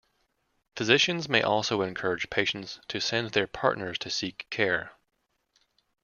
Physicians may also encourage patients to send their partners to seek care.